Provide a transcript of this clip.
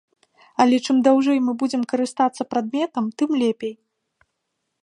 Але чым даўжэй мы будзем карыстацца прадметам, тым лепей.